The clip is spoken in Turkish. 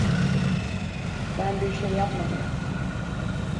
Ben birşey yapmadım.